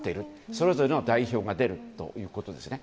それぞれの代表が出るということですね。